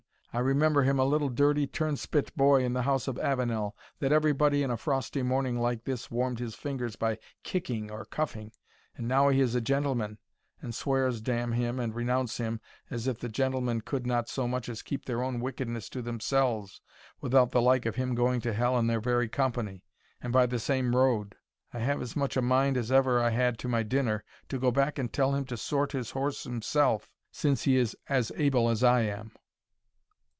I remember him a little dirty turnspit boy in the house of Avenel, that every body in a frosty morning like this warmed his fingers by kicking or cuffing! and now he is a gentleman, and swears, d n him and renounce him, as if the gentlemen could not so much as keep their own wickedness to themselves, without the like of him going to hell in their very company, and by the same road. I have as much a mind as ever I had to my dinner, to go back and tell him to sort his horse himself, since he is as able as I am."